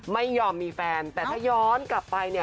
ไม่ยอมมีแฟนแต่ถ้าย้อนกลับไปเนี่ย